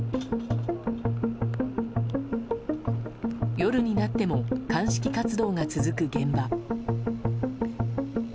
夜になっても鑑識活動が続く現場。